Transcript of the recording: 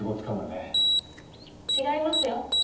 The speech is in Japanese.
違いますよ。